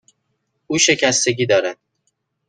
او شکستگی دارد.